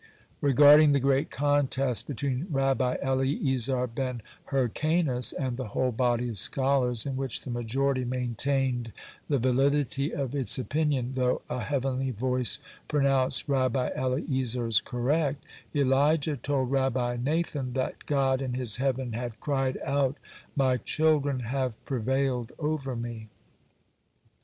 (81) Regarding the great contest between Rabbi Eliezer ben Hyrcanus and the whole body of scholars, in which the majority maintained the validity of its opinion, though a heavenly voice pronounced Rabbi Eliezer's correct, Elijah told Rabbi Nathan, that God in His heaven had cried out: "My children have prevailed over Me!"